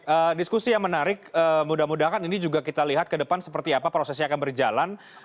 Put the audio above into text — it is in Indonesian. oke diskusi yang menarik mudah mudahan ini juga kita lihat ke depan seperti apa prosesnya akan berjalan